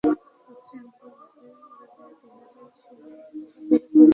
পশ্চিমবঙ্গের লাগোয়া বিহারের সীমাঞ্চল বলে পরিচিত চার জেলা নিয়ে ওয়াইসি বেশি আগ্রহী।